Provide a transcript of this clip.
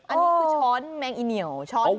อันนี้คือช้อนแมงอิเหนียวช้อนแมงกระชอน